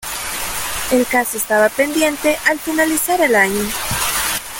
El caso estaba pendiente al finalizar el año.